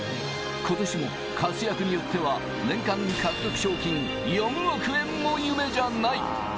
今年も活躍によっては年間獲得賞金４億円も夢じゃない！